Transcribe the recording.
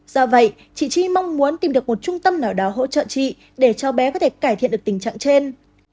do vậy chị chi mong muốn tìm được một trung tâm nào đó hỗ trợ chị để cho bé có thể cải thiện được tình trạng trên